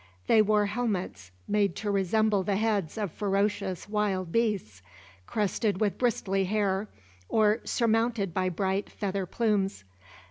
They wore helmets made to resemble the heads of ferocious wild beasts, crested with bristly hair or surmounted by bright feather plumes.